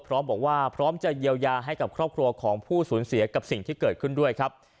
พร้อมบอกว่าพร้อมจะเยียวยาให้กับครอบครัวของผู้สูญเสียกับสิ่งที่เกิดขึ้นด้วยครับ